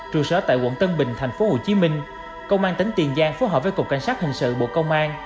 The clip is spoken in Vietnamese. trụ sở tại quận tân bình tp hcm công an tỉnh tiền giang phối hợp với cục cảnh sát hình sự bộ công an